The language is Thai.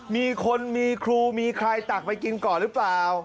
มีคนมีครูมีใครตักไปกินก่อนหรือเปล่า